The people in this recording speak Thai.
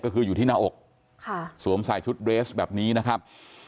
ก็คืออยู่ที่หน้าอกสวมใส่ชุดเรสแบบนี้นะครับ